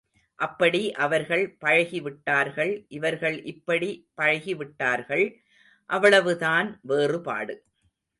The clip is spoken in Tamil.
அப்படி அவர்கள் பழகிவிட்டார்கள் இவர்கள் இப்படிப் பழகிவிட்டார்கள் அவ்வளவுதான் வேறுபாடு.